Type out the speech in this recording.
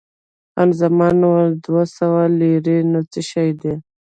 خان زمان وویل، دوه سوه لیرې نو څه شی دي؟